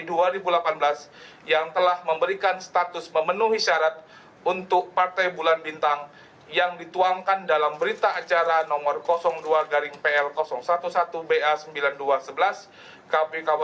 satu apakah verifikasi faktual pada tanggal sepuluh febuari dua ribu delapan belas dan memberikan syarat status memenuhi syarat untuk partai bulan bintang yang dituangkan dalam berita acara nomor dua pl satu satu ba garing sembilan ribu dua ratus sebelas garing sembilan ribu dua ratus sebelas kpu